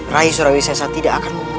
raih surawi sesa tidak akan memburumu